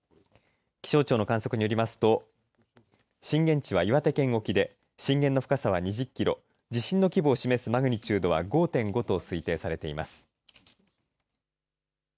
気象庁の観測によりますと震源地は岩手県沖で震源の深さは２０キロ地震の規模を示すマグニチュードは５．５と推定されています。